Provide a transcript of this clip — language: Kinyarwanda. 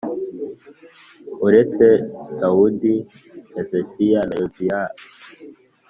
Uretse Dawudi, Hezekiya na Yoziya,